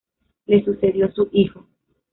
Le sucedió su hijo.